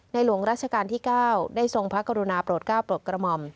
หลวงราชการที่๙ได้ทรงพระกรุณาโปรดก้าวโปรดกระหม่อม